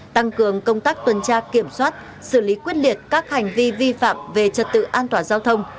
tăng cường công tác tuần tra kiểm soát xử lý quyết liệt các hành vi vi phạm về trật tự an toàn giao thông